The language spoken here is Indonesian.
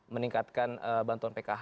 meningkatkan bantuan pkh